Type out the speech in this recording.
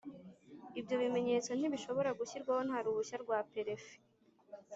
ibyo bimenyetso ntibishobora gushyirwaho nta ruhushya rwa Perefe